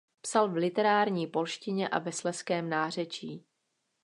Psal v literární polštině a ve slezském nářečí.